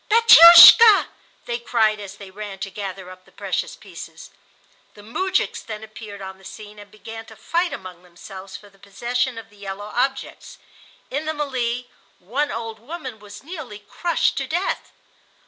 "Batiushka," they cried as they ran to gather up the precious pieces. The moujiks then appeared on the scene and began to fight among themselves for the possession of the yellow objects. In the mêlée one old woman was nearly crushed to death.